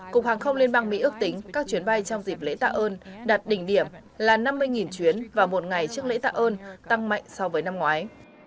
cục hàng không liên bang mỹ ước tính các chuyến bay trong dịp lễ tạ ơn đạt đỉnh điểm là năm mươi chuyến vào một ngày trước lễ tạ ơn tăng mạnh so với năm ngoái